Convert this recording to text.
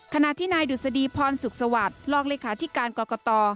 ขณะที่นายดุษฎีพรสุขสวัสดิ์รองเลขาธิการกรกต